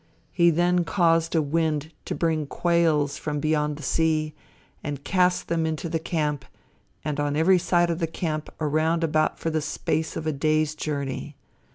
He then caused a wind to bring quails from beyond the sea, and cast them into the camp, on every side of the camp around about for the space of a days journey.